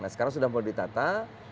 nah sekarang sudah mulai ditata